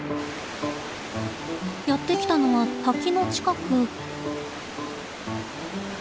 やって来たのは滝の近く。